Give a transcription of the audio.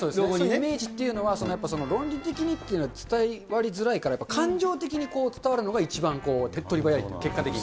イメージっていうのは、やっぱり論理的にっていうのは伝わりづらいから、感情的にこう、伝わるのが一番手っ取り早い、結果的に。